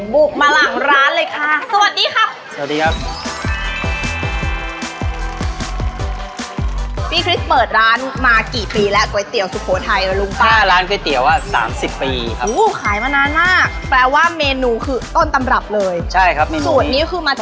บุกมาหลังร้านเลยค่ะสวัสดีครับ